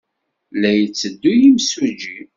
La d-yetteddu yimsujji.